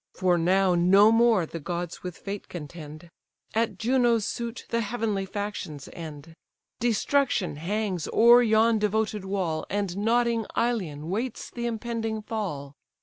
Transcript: For now no more the gods with fate contend, At Juno's suit the heavenly factions end. Destruction hangs o'er yon devoted wall, And nodding Ilion waits the impending fall.